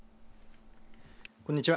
こんにちは。